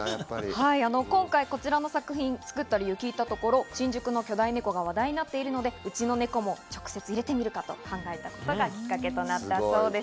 今回こちらの作品を作った理由を聞いたところ新宿の巨大ネコが話題になっているので、うちのネコも直接入れてみるかと考えたことがきっかけとなったそうです。